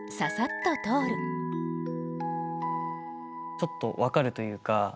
ちょっと分かるというか。